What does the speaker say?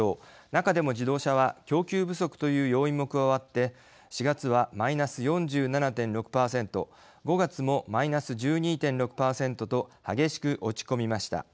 中でも自動車は供給不足という要因も加わって４月はマイナス４７．６％５月もマイナス１２．６％と激しく落ち込みました。